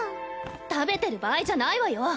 食べてる場合じゃないわよ。